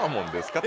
って。